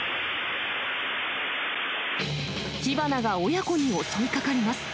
火花が親子に襲いかかります。